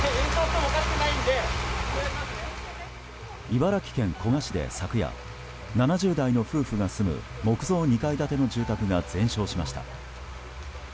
茨城県古河市で昨夜７０代の夫婦が住む木造２階建ての住宅が全焼しました。